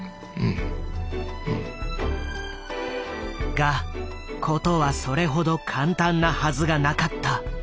が事はそれほど簡単なはずがなかった。